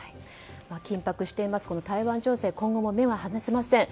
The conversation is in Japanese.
緊迫している台湾情勢に今後も目が離せません。